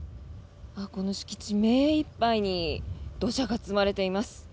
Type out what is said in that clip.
この敷地目いっぱいに土砂が積まれています。